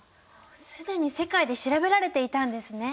既に世界で調べられていたんですね！